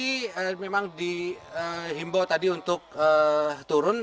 ya para pendaki memang dihimbau tadi untuk turun